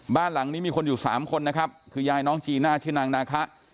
บ้านหลังนี้มีคนอยู่สามคนนะครับคือยายน้องจีน่าชื่อนางนาคะ